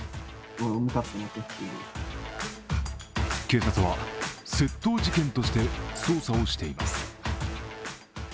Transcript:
警察は窃盗事件として捜査をしています。